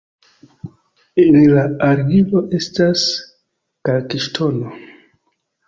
En la argilo estas kalkŝtono.